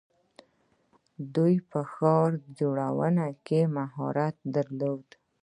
دوی په ښار جوړونه کې مهارت درلود.